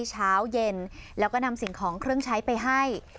เช้าเย็นแล้วก็นำสิ่งของเครื่องใช้ไปให้